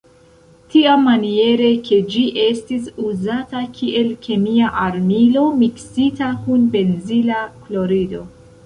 Tiamaniere ke ĝi estis uzata kiel kemia armilo miksita kun benzila klorido.